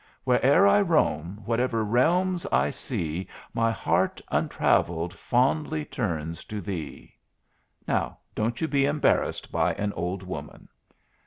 'Where'er I roam, whatever realms to see, my heart, untravelled, fondly turns to thee.' Now don't you be embarrassed by an old woman!"